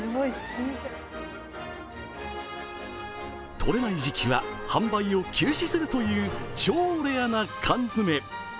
とれない時期は販売を休止するという超レアな缶詰。